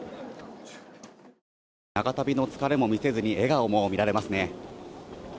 長旅の疲れも見せずに笑顔も見られますね。